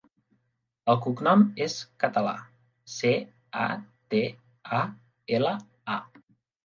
El cognom és Catala: ce, a, te, a, ela, a.